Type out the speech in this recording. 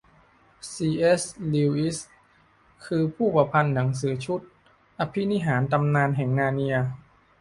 ซี. เอส. ลิวอิส คือ ผู้ประพันธ์หนังสือชุด อภินิหารตำนานแห่งนาร์เนีย